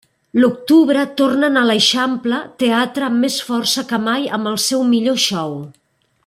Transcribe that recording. L’octubre tornen a l’Eixample Teatre amb més força que mai amb el seu millor show.